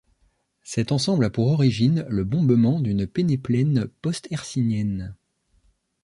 Cet ensemble a pour origine le bombement d'une pénéplaine post-hercynienne.